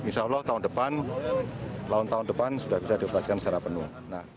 insya allah tahun depan tahun tahun depan sudah bisa dioperasikan secara penuh